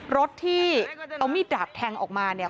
รถที่เอามีดดาบแทงออกมาเนี่ย